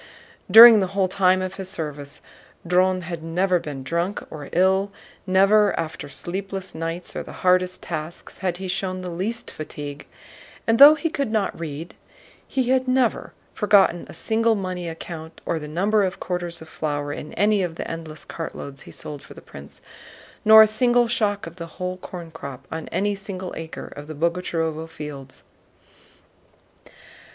During the whole time of his service Dron had never been drunk or ill, never after sleepless nights or the hardest tasks had he shown the least fatigue, and though he could not read he had never forgotten a single money account or the number of quarters of flour in any of the endless cartloads he sold for the prince, nor a single shock of the whole corn crop on any single acre of the Boguchárovo fields.